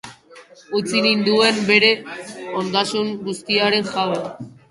Utzi ninduen bere ondasun guztiaren jabe.